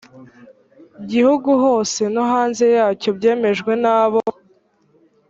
gihugu hose no hanze yacyo byemejwe na bo